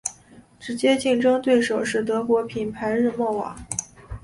直接竞争对手是德国品牌日默瓦。